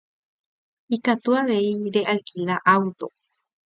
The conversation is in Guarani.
Ikatu avei realquila auto.